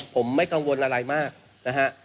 ผมไม่กังวลอะไรมากนะฮะ